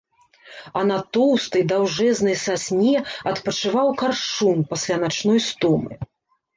А на тоўстай даўжэзнай сасне адпачываў каршун пасля начной стомы.